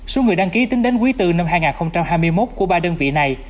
số người đăng ký tính đến quý bốn năm hai nghìn hai mươi một của ba đơn vị này